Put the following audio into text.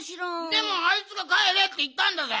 でもあいつが「かえれ」っていったんだぜ？